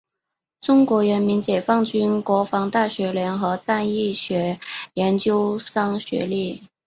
中国人民解放军国防大学联合战役学研究生学历。